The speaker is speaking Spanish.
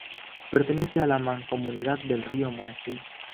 Pertenece a la Mancomunidad del río Monachil.